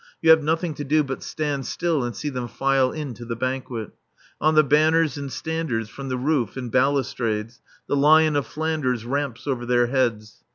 You have nothing to do but stand still and see them file in to the banquet. On the banners and standards from the roof and balustrades the Lion of Flanders ramps over their heads.